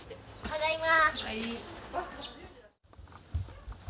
ただいま。